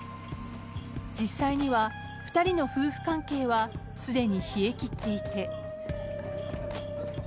実際には２人の夫婦関係はすでに冷え切っていて。